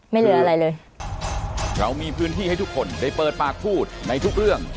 ไม่เหลืออะไรเลยเรามีพื้นที่ให้ทุกคนได้เปิดปากพูดในทุกเรื่อง